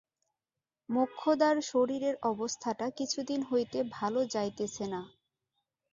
মোক্ষদার শরীরের অবস্থাটা কিছুদিন হইতে ভালো যাইতেছে না।